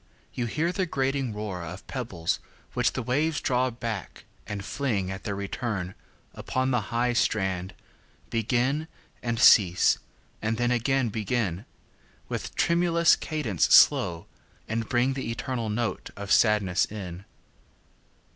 you hear the grating roarOf pebbles which the waves draw back, and fling, At their return, up the high strand, Begin, and cease, and then again begin, With tremulous cadence slow, and bringThe eternal note of sadness in.